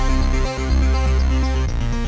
โปรดติดตามตอนต่อไป